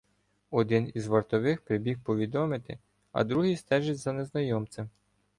Один із вартових прибіг повідомити, а другий стежить за незнайомцем.